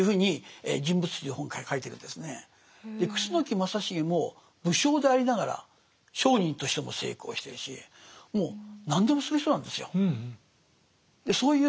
楠木正成も武将でありながら商人としても成功してるしもう何でもする人なんですよ。